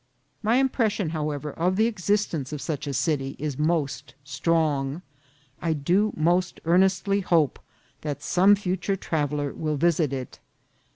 My impression, however, of the existence of such a city is most strong. I do most earnestly hope that some fu ture traveller will visit it.